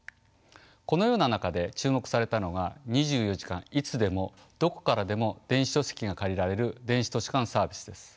このような中で注目されたのが２４時間いつでもどこからでも電子書籍が借りられる電子図書館サービスです。